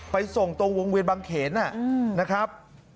ส่งตรงวงเวียนบางเขนนะครับ